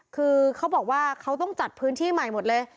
คือเขาบอกว่าเขาต้องจัดพื้นที่ใหม่หมดเลย